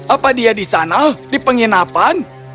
apa dia di sana di penginapan